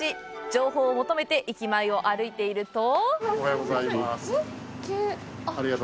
情報を求めて駅前を歩いていると。